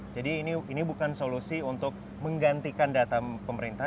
jadi ini bukan solusi untuk menggantikan data pemerintah